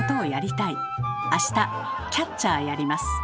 あしたキャッチャーやります。